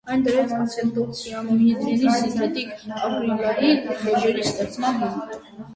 Այն դրեց ացետոնցիանոհիդրինից սինթետիկ ակրիլային խեժերի ստեղծման հիմքը։